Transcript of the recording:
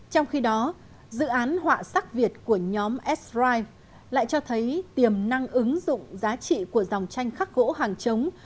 trong khi đó dự án họa sắc việt của nhóm esrite lại cho thấy tiềm năng ứng dụng giá trị của dòng tranh khắc gỗ hàng chống